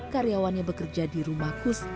karyawannya bekerja di rumah kus